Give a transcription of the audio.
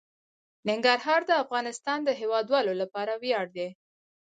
ننګرهار د افغانستان د هیوادوالو لپاره ویاړ دی.